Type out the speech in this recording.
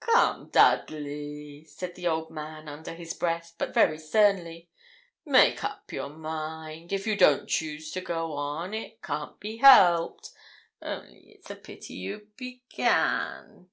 'Come, Dudley!' said the old man under his breath, but very sternly, 'make up your mind. If you don't choose to go on, it can't be helped; only it's a pity you began.